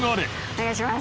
お願いします。